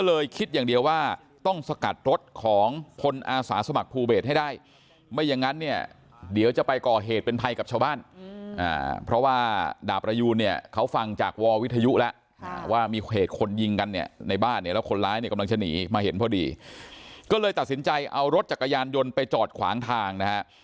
เลยคิดอย่างเดียวว่าต้องสกัดรถของพลอาสาสมัครภูเบสให้ได้ไม่อย่างนั้นเนี่ยเดี๋ยวจะไปก่อเหตุเป็นภัยกับชาวบ้านเพราะว่าดาบประยูนเนี่ยเขาฟังจากวอวิทยุแล้วว่ามีเหตุคนยิงกันเนี่ยในบ้านเนี่ยแล้วคนร้ายเนี่ยกำลังจะหนีมาเห็นพอดีก็เลยตัดสินใจเอารถจักรยานยนต์ไปจอดขวางทางนะฮะ